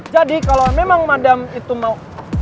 jadi kalau memang madam itu mau